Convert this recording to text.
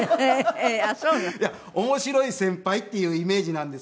面白い先輩っていうイメージなんですが。